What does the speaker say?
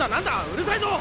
うるさいぞ！